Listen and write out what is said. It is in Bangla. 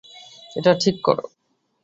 এটা ঠিক কর।